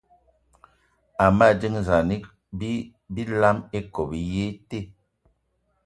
Ama dínzan bilam íkob í yé í te